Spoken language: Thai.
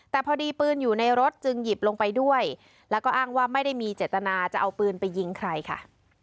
แต่พอดีปืนอยู่ในรถจึงหยิบลงไปด้วยแล้วก็อ้างว่าไม่ได้มีเจตนาจะเอาปืนไปยิงใครค่ะ